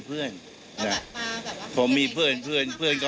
ไม่มีผมไม่มีหรอก